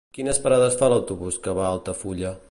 Quines parades fa l'autobús que va a Altafulla?